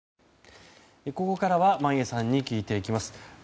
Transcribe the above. ここからは眞家さんに聞いていきます。